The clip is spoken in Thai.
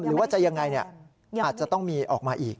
หรือว่าจะยังไงอาจจะต้องมีออกมาอีก